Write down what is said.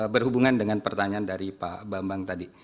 berhubungan dengan pertanyaan dari pak bambang tadi